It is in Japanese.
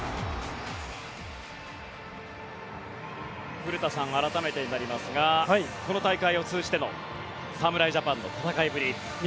古田さん、改めてになりますがこの大会を通じての侍ジャパンの戦いぶり